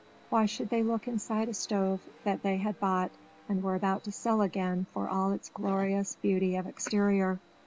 Why should they look inside a stove that they had bought and were about to sell again for all its glorious beauty of exterior.